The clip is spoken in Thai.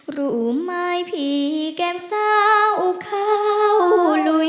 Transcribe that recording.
หลุมไม้ผีแก้มเศร้าเขาลุย